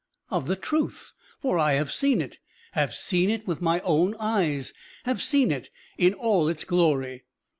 Of the truth, for I have seen it, have seen it with my own eyes, have seen it in all its glory.